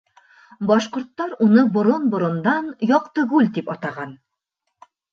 Башҡорттар уны борон-борондан Яҡтыкүл тип атаған.